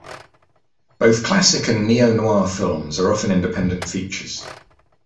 Both classic and neo-noir films are often independent features.